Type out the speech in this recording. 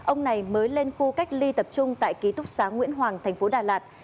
ông này mới lên khu cách ly tập trung tại ký túc xá nguyễn hoàng tp đà lạt